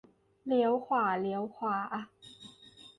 เลี้ยวขวา เลี้ยวขวา